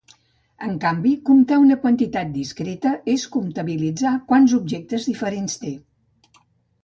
En canvi comptar una quantitat discreta és comptabilitzar quants objectes diferents conté.